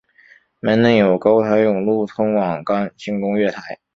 门内有高台甬路通往干清宫月台。